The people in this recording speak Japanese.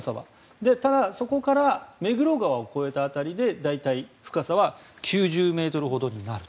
ただ、そこから目黒川を越えた辺りで深さは９０ｍほどになる。